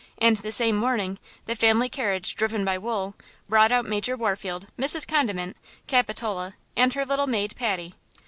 And the same morning the family carriage, driven by Wool, brought out Major Warfield, Mrs. Condiment, Capitola and her little maid Patty.